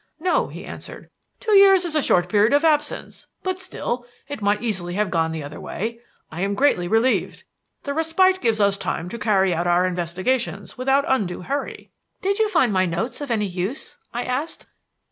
"No," he answered. "Two years is a short period of absence; but still, it might easily have gone the other way. I am greatly relieved. The respite gives us time to carry out our investigations without undue hurry." "Did you find my notes of any use?" I asked.